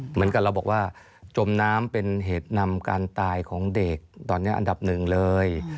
เหมือนกับเราบอกว่าจมน้ำเป็นเหตุนำการตายของเด็กตอนนี้อันดับหนึ่งเลย